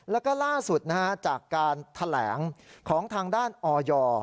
แล้วก็ล่าสุดจากการแถลงของทางด้านออย